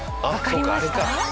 わかりました？